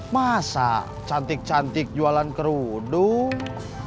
masa cantik cantik jualan kerudung